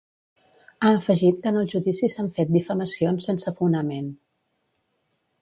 Ha afegit que en el judici s’han fet difamacions sense fonament.